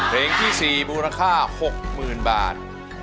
เพลงที่๔มูลค่า๖๐๐๐บาท